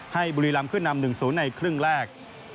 บุรีรำขึ้นนำ๑๐ในครึ่งแรก